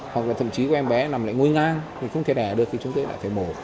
hoặc là thậm chí có em bé nằm lại ngôi ngang thì không thể đẻ được thì chúng tôi lại phải mổ